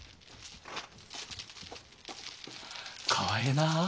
かわええなあ。